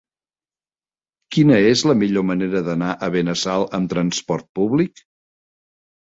Quina és la millor manera d'anar a Benassal amb transport públic?